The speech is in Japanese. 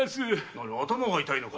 何頭が痛いのか？